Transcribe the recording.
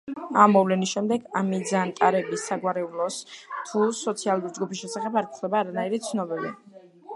ამ მოვლენის შემდეგ ამიძანტარების საგვარეულოს თუ სოციალური ჯგუფის შესახებ არ გვხვდება არანაირი ცნობები.